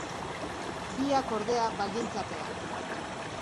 Biak, ordea, baldintzapean.